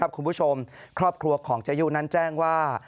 ครอบครัวของเจยุนั้นแจ้งว่า